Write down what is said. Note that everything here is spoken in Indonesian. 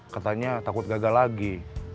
katanya takut gagal lagi